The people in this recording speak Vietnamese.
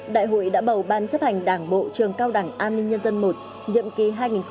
đại hội đã bầu ban chấp hành đảng bộ trường cao đẳng an ninh nhân dân i nhậm ký hai nghìn hai mươi hai nghìn hai mươi năm